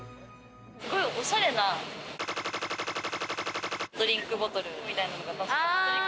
すごくおしゃれなドリンクボトルみたいのが。